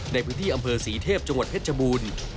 ในพื้นที่อำเภอศรีเทพจังหวัดเพชรชบูรณ์